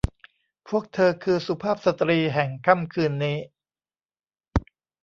พวกเธอคือสุภาพสตรีแห่งค่ำคืนนี้